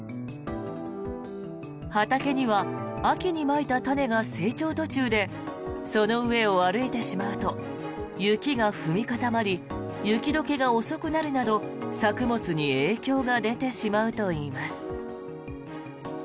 畑には秋にまいた種が成長途中でその上を歩いてしまうと雪が踏み固まり雪解けが遅くなるなど作物に影響が出てしまうといいます。